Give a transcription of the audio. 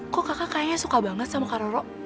kok kakak kayaknya suka banget sama kak roro